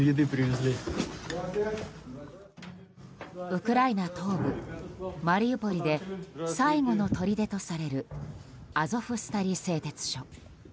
ウクライナ東部マリウポリで最後のとりでとされるアゾフスタリ製鉄所。